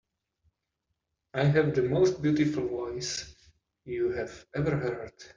I have the most beautiful voice you have ever heard.